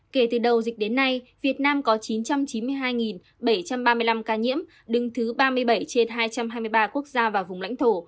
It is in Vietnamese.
kể từ đầu dịch đến nay việt nam có chín trăm chín mươi hai bảy trăm ba mươi năm ca nhiễm đứng thứ ba mươi bảy trên hai trăm hai mươi ba quốc gia và vùng lãnh thổ